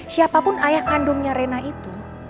siapapun ayah kandungnya rena itu